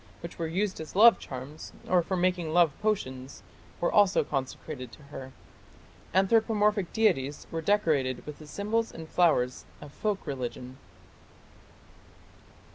which were used as love charms, or for making love potions, were also consecrated to her. Anthropomorphic deities were decorated with the symbols and flowers of folk religion.